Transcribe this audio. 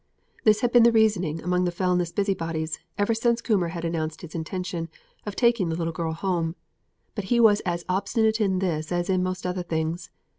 This had been the reasoning among the Fellness busybodies ever since Coomber had announced his intention of taking the little girl home; but he was as obstinate in this as in most other things.